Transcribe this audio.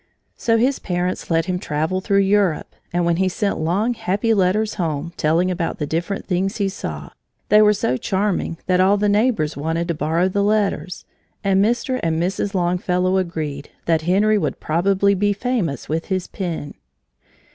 So his parents let him travel through Europe, and when he sent long, happy letters home, telling about the different things he saw, they were so charming that all the neighbors wanted to borrow the letters, and Mr. and Mrs. Longfellow agreed that Henry would probably be famous with his pen.